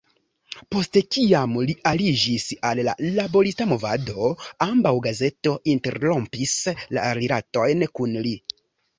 Post kiam li aliĝis al laborista movado, ambaŭ gazeto interrompis la rilatojn kun li.